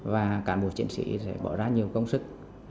và cán bộ chiến sĩ sẽ bỏ ra nhiều công sức